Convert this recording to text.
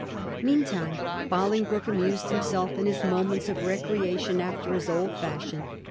Meantime, Bolingbroke amused him self in his moments of recreation after his old fashion.